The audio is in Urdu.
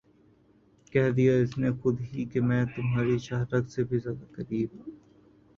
کہہ دیا اس نے خود ہی کہ میں تمھاری شہہ رگ سے بھی زیادہ قریب